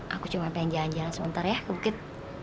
aku cuma pengen jalan jalan sebentar ya ke bukit